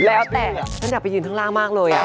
แล้วแต่ฉันอยากไปยืนข้างล่างมากเลย